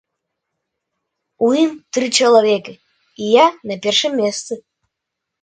У ім тры чалавекі, і я на першым месцы.